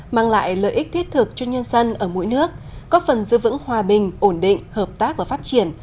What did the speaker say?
mang lại lợi ích thiết thực cho nhân dân ở mỗi nước góp phần giữ vững hòa bình ổn định hợp tác và phát triển